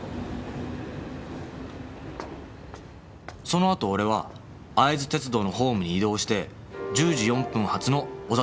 その後俺は会津鉄道のホームに移動して１０時４分発のお座トロ展望